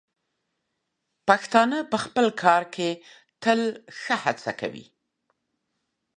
پښتانه په خپل کار کې تل ښه هڅه کوي.